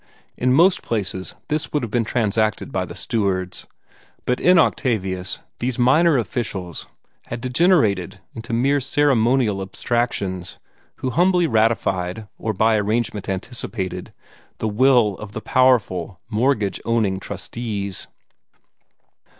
In most places this would have been transacted by the stewards; but in Octavius these minor officials had degenerated into mere ceremonial abstractions, who humbly ratified, or by arrangement anticipated, the will of the powerful, mortgage owning trustees.